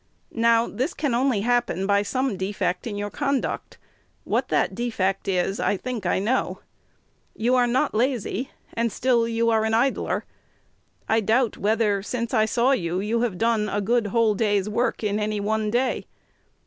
Now, this can only happen by some defect in your conduct. What that defect is, I think I know. You are not lazy, and still you are an idler. I doubt whether, since I saw you, you have done a good whole day's work in any one day.